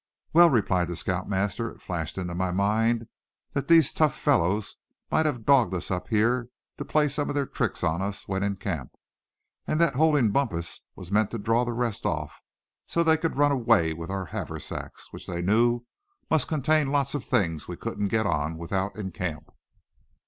"Well," replied the scout master, "it flashed into my mind that these tough fellows might have dogged us up here, to play some of their tricks on us when in camp; and that holding Bumpus was meant to draw the rest off, so they could run away with our haversacks, which they knew must contain lots of things we couldn't well get on without in camp."